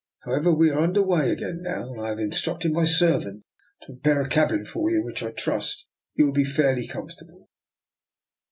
However, we are under way again now, and I have in structed my servant to prepare a cabin for you, in which I trust you will be fairly com fortable."